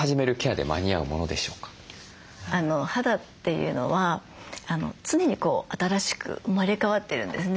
肌というのは常に新しく生まれ変わってるんですね。